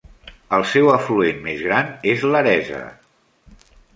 El seu afluent més gran és l'Aresa.